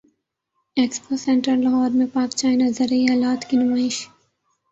expo centre Lahore میں Pak China زرعی الات کی نمائش